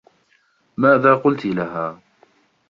ماذا قلتِ لها؟